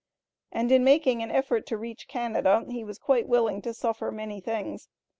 And in making an effort to reach Canada, he was quite willing to suffer many things.